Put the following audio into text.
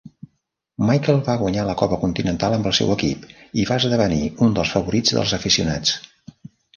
Michael va guanyar la Copa Continental amb el seu equip i va esdevenir un dels favorits dels aficionats.